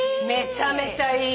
めちゃめちゃいい。